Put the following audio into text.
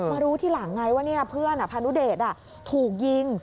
รู้ทีหลังไงว่าเพื่อนพานุเดชถูกยิง